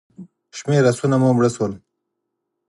شمېر آسونه مو مړه شول.